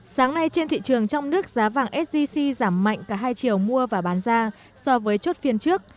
sáng nay trên thị trường trong nước giá vàng sgc giảm mạnh cả hai triệu mua và bán ra so với chốt phiên trước